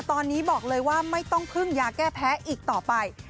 ตอนนี้บอกเลยว่าไม่ต้องพึ่งยาแก้แพ้อีกต่อไป